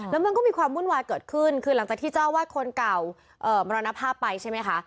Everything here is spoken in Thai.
แล้วมันก็มีความวุ่นวายเกิดขึ้นคือหลังจากที่เจ้าวาดคนเก่ามรณภาพไปใช่ไหมคะ